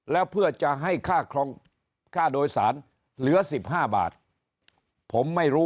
แล้วเพื่อจะให้ค่าครองค่าโดยสารเหลือ๑๕บาทผมไม่รู้